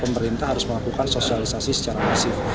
pemerintah harus melakukan sosialisasi secara masif